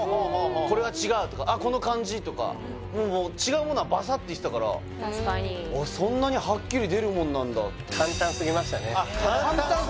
「これは違う」とか「あっこの感じ」とか違うものはバサっていってたから確かにそんなにはっきり出るもんなんだっていう簡単すぎた？